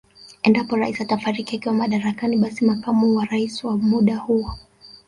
Endapo Rais atafariki akiwa madarakani basi makamu wa Rais wa muda huo